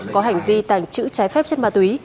có hành vi tàng trữ trái phép chất ma túy